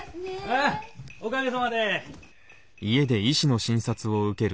ああおかげさまで。